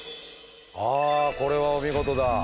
あこれはお見事だ。